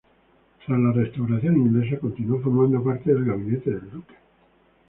Tras la Restauración inglesa, continuó formando parte del gabinete del duque.